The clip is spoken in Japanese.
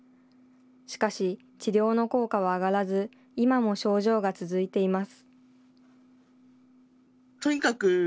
しかし、治療の効果は上がらず、今も症状が続いています。